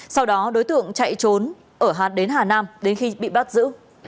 sau đó đối tượng chạy trốn ở hạt đến hà nam đến khi bị bắt giữ